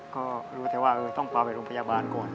ก็รู้แต่ว่าต้องพาไปโรงพยาบาลก่อน